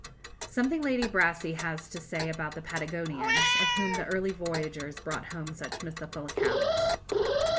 " Something Lady Brassey has to say about the Patagonians, of whom the early voyagers brought home such mythical accounts.